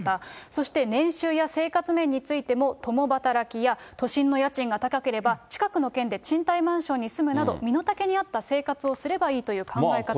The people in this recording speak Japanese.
そして年収や生活面についても、共働きや都心の家賃が高ければ近くの県で賃貸マンションに住むなど、身の丈に合った生活をすればいいという考え方。